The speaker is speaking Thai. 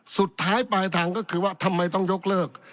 สุดท้ายปลายทางก็คือว่าทำไมต้องยกเลิก